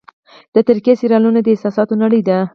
د ترکیې سریالونه د احساسونو نړۍ ده.